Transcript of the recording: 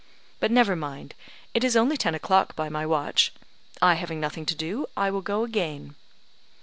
But never mind; it is only ten o'clock by my watch. I having nothing to do; I will go again."